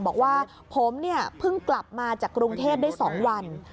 บอกว่าผมเนี่ยเพิ่งกลับมาจากกรุงเทพได้๒วัน